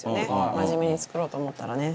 真面目に作ろうと思ったらね。